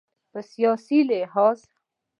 په سیاسي لحاظ